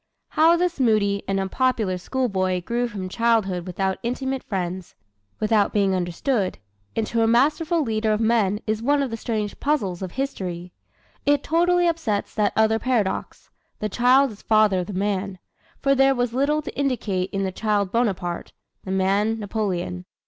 How this moody and unpopular schoolboy grew from childhood without intimate friends without being understood into a masterful leader of men is one of the strange puzzles of history. It totally upsets that other paradox, "The child is father of the man," for there was little to indicate in the child Bonaparte, the man Napoleon.